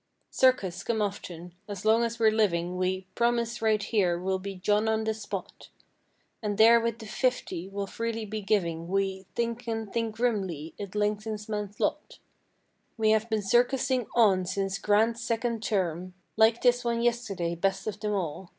Circus, come often, as long as we're living we Promise right here we'll be "John on the spot." And there with the "fifty" we'll freely be giving. We Think and think grimly, it lengthens man's lot. We have been circusing on since Grant's second' term. Liked this one yesterday best of them all.